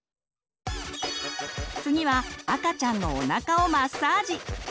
次は赤ちゃんのおなかをマッサージ！